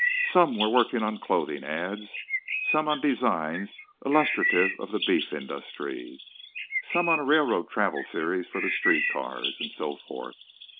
Some were working on clothing ads, some on designs illustrative of the beef industry, some on a railroad travel series for the street cars, and so forth.